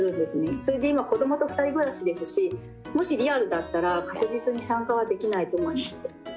それで今子供と２人暮らしですしもしリアルだったら確実に参加はできないと思います。